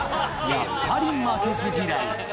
やっぱり負けず嫌い。